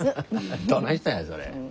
どないしたんやそれ。